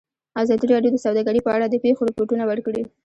ازادي راډیو د سوداګري په اړه د پېښو رپوټونه ورکړي.